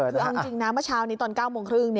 คือเอาจริงนะเมื่อเช้านี้ตอน๙โมงครึ่ง